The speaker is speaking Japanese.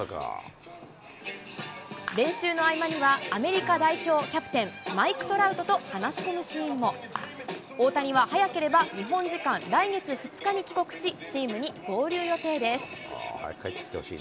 練習の合間には、アメリカ代表キャプテン、マイク・トラウトと話し込むシーンも。大谷は早ければ、日本時間来月２日に帰国し、チームに合流予定です。